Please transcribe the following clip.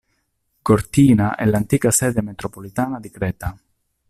Gortina è l'antica sede metropolitana di Creta.